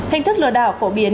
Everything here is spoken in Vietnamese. hình thức lừa đảo phổ biến